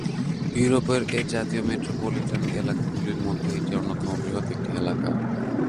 ইউরোপের এ জাতীয় মেট্রোপলিটান এলাকাগুলির মধ্যে এটি অন্যতম বৃহৎ একটি এলাকা।।